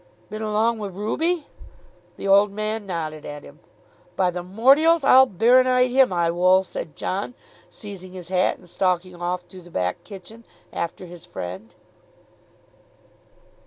"Been along wi' Ruby?" The old man nodded at him. "By the mortials I'll baronite him; I wull," said John seizing his hat and stalking off through the back kitchen after his friend.